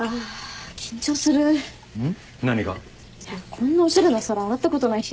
こんなおしゃれな皿洗ったことないし。